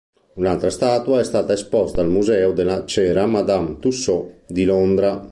Un'altra statua è stata esposta al museo della cera Madame Tussauds di Londra.